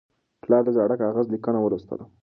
پلار د زاړه کاغذ لیکنه ولوستله.